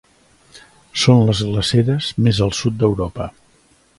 Són les glaceres més al sud d'Europa.